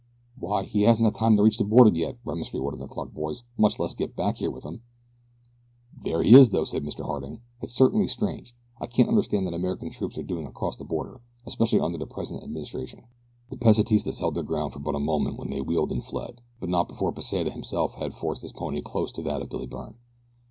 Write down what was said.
"Why, he hasn't had time to reach the border yet," remonstrated one of the Clark boys, "much less get back here with help." "There he is though," said Mr. Harding. "It's certainly strange. I can't understand what American troops are doing across the border especially under the present administration." The Pesitistas held their ground for but a moment then they wheeled and fled; but not before Pesita himself had forced his pony close to that of Billy Byrne.